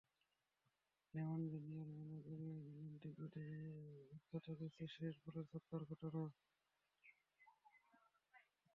Layman junior মনে করিয়ে দিলেন ক্রিকেটের বিখ্যাত কিছু শেষ বলের ছক্কার ঘটনা।